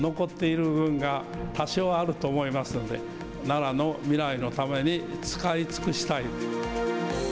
まだ、残っている運が多少あると思いますので、奈良の未来のために使い尽くしたい。